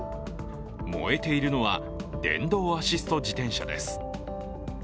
燃えているのは電動アシスト自転車です。